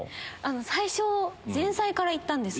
最初前菜から行ったんですよ。